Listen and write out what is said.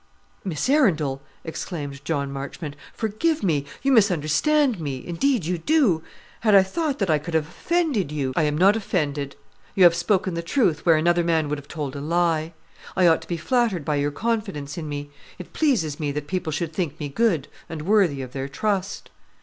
"Miss Arundel," exclaimed John Marchmont, "forgive me! You misunderstand me; indeed you do. Had I thought that I could have offended you " "I am not offended. You have spoken the truth where another man would have told a lie. I ought to be flattered by your confidence in me. It pleases me that people should think me good, and worthy of their trust."